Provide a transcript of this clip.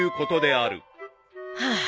ああ。